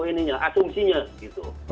itu adalah asumsinya gitu